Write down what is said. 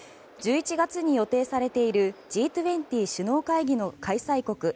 １１月に予定されているＧ２０首脳会議の開催国